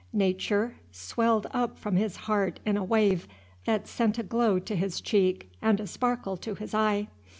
Nature swelled up from his heart in a wave that sent a glow to his cheek and a sparkle to his eye.